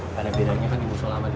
pada bidangnya jadi lebih lama dulu